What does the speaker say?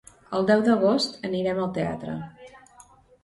El deu d'agost anirem al teatre.